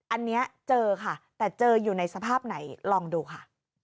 อันนี้เจอค่ะแต่เจออยู่ในสภาพไหนลองดูค่ะ